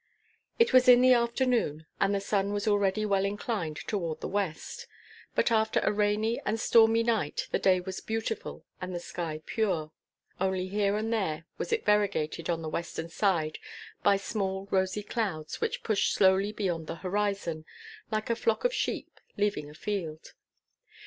It was in the afternoon, and the sun was already well inclined toward the west, but after a rainy and stormy night the day was beautiful and the sky pure, only here and there was it variegated on the western side by small rosy clouds which pushed slowly beyond the horizon, like a flock of sheep leaving a field.